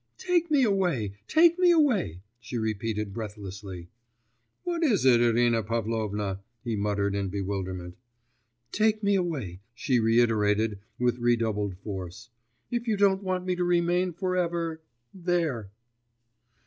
'Take me away, take me away,' she repeated breathlessly. 'What is it, Irina Pavlovna?' he muttered in bewilderment. 'Take me away,' she reiterated with redoubled force, 'if you don't want me to remain for ever ... there.